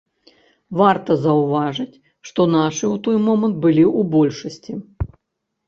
Варта заўважыць, што нашы ў той момант былі ў большасці.